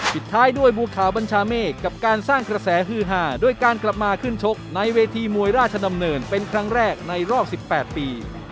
ปิดท้ายด้วยบัวขาวบัญชาเมฆกับการสร้างกระแสฮือหาด้วยการกลับมาขึ้นชกในเวทีมวยราชดำเนินเป็นครั้งแรกในรอบ๑๘ปี